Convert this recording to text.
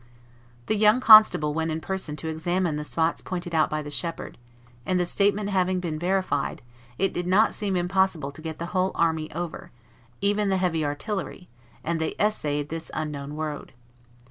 The young constable went in person to examine the spots pointed out by the shepherd; and, the statement having been verified, it did not seem impossible to get the whole army over, even the heavy artillery; and they essayed this unknown road.